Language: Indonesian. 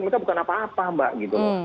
mereka bukan apa apa mbak gitu